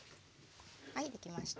はいできました。